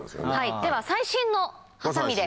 では最新のハサミで。